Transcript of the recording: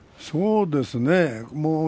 そうですね